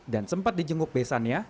dan sempat di jenguk besan ini